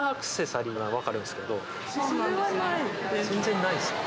全然ないっすか？